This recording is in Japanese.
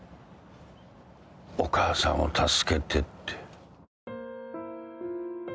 「お母さんを助けて」って。